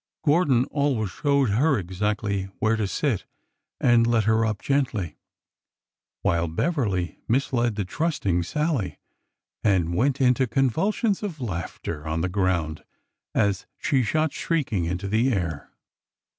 Gordon always showed her exactly where to sit and let her up gently, while Beverly misled the trusting Sallie and went into convulsions of laughter on the ground as she shot shrieking into the air.